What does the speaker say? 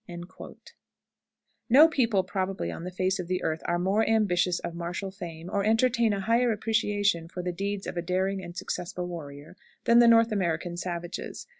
No people probably on the face of the earth are more ambitious of martial fame, or entertain a higher appreciation for the deeds of a daring and successful warrior, than the North American savages.